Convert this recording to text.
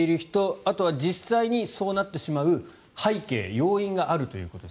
あとは実際にそうなってしまう背景、要因があるということです。